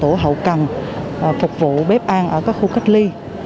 phục vụ hậu cằn phục vụ bếp an ở các khu cách ly